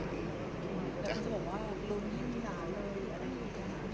แล้วคุณจะบอกว่ารู้ที่มีหลานเลยอะไรอย่างเงี้ย